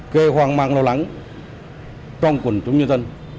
kê hoang mang lao lắng trong quần chúng nhân dân